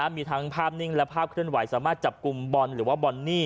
มีทั้งภาพนิ่งและภาพเคลื่อนไหวสามารถจับกลุ่มบอลหรือว่าบอนนี่